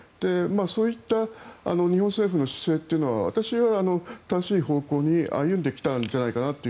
そういった日本政府の姿勢は私は正しい方向に歩んできたんじゃないかなと。